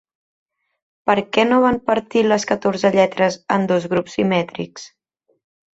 Per què no van partir les catorze lletres en dos grups simètrics?